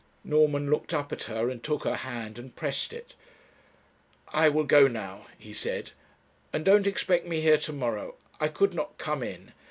Norman looked up at her, and took her hand, and pressed it. 'I will go now,' he said, 'and don't expect me here to morrow. I could not come in.